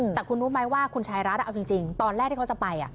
แต่คุณรู้ไหมว่าคุณชายรัฐเอาจริงตอนแรกที่เขาจะไป